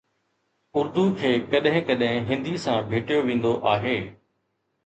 اردو کي ڪڏهن ڪڏهن هندي سان ڀيٽيو ويندو آهي